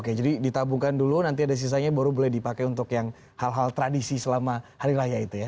oke jadi ditabungkan dulu nanti ada sisanya baru boleh dipakai untuk yang hal hal tradisi selama hari raya itu ya